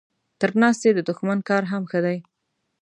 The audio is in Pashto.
تر ناستي د دښمن کار هم ښه دی.